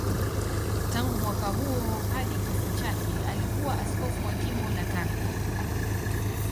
Tangu mwaka huo hadi kifo chake alikuwa askofu wa Jimbo la Tanga.